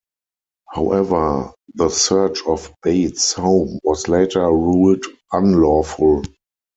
However, the search of Bates' home was later ruled unlawful.